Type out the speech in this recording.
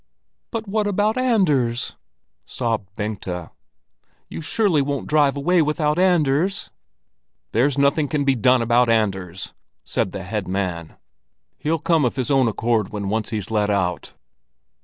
"But what about Anders?" sobbed Bengta. "You surely won't drive away without Anders?" "There's nothing can he done about Anders!" said the head man. "He'll come of his own accord when once he's let out."